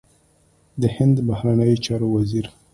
د هند بهرنیو چارو وزیر